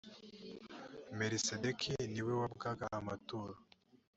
melisedeki niwe wabwaga amaturo.